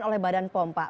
oleh badan pom pak